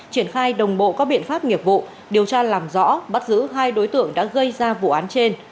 triển khai đồng bộ các biện pháp nghiệp vụ điều tra làm rõ bắt giữ hai đối tượng đã gây ra vụ án trên